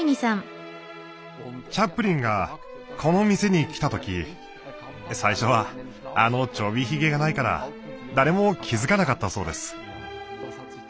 チャップリンがこの店に来た時最初はあのちょびヒゲがないから誰も気付かなかったそうです。